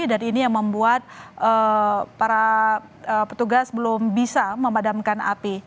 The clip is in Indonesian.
dan ini yang membuat para petugas belum bisa memadamkan api